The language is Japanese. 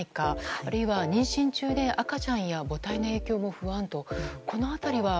あるいは妊娠中で赤ちゃんや母体の影響も不安と。